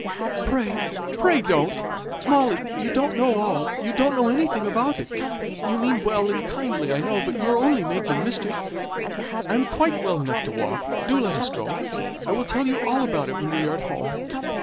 "Pray, pray don't. Molly you don't know all you don't know anything about it; you mean well and kindly, I know, but you are only making mischief. I am quite well enough to walk, do let us go; I will tell you all about it when we are at home."